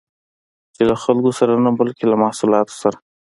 چې له خلکو سره نه، بلکې له محصولات سره